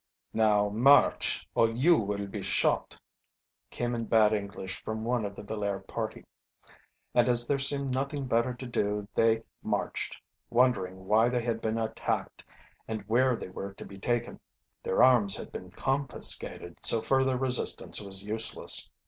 "Now march, or you will be shot," came in bad English from one of the Villaire party. And as there seemed nothing better to do they marched, wondering why they had been attacked and where they were to be taken. Their arms had been confiscated, so further resistance was useless.